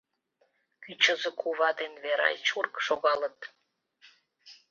Кӱчызӧ кува ден Верай чурк шогалыт.